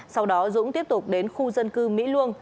sau đó dũng tiếp tục đến khu dân cư mỹ luông